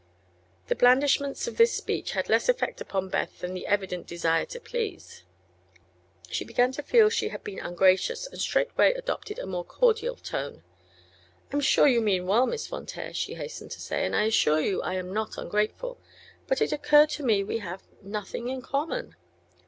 The blandishments of this speech had less effect upon Beth than the evident desire to please. She began to feel she had been ungracious, and straightway adopted a more cordial tone. "I am sure you mean well, Miss Von Taer," she hastened to say, "and I assure you I am not ungrateful. But it occurred to me we could have nothing in common."